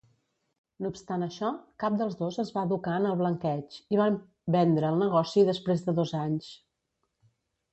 No obstant això, cap dels dos es va educar en el blanqueig, i van vendre el negoci després de dos anys.